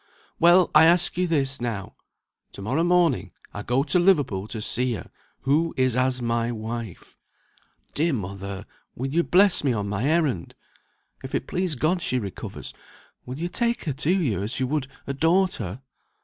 "Well! I ask you this now. To morrow morning I go to Liverpool to see her, who is as my wife. Dear mother! will you bless me on my errand? If it please God she recovers, will you take her to you as you would a daughter?"